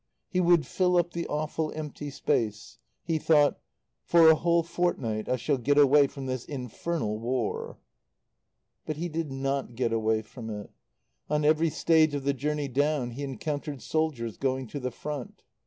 He would fill up the awful empty space. He thought: "For a whole fortnight I shall get away from this infernal War." But he did not get away from it. On every stage of the journey down he encountered soldiers going to the Front.